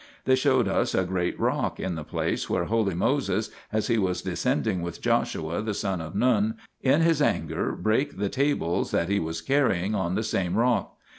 2 They showed us a great rock in the place where holy Moses, as he was descending with Joshua the son of Nun, in his anger brake the tables that he was carrying, on the same rock.